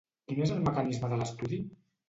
Quin és el mecanisme de l’estudi?